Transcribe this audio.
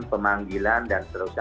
pemanggilan dan terusnya